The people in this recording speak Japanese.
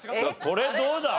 これどうだ？